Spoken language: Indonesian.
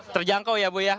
terjangkau ya ibu ya